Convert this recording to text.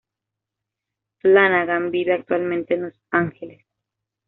Flanagan vive actualmente en Los Ángeles.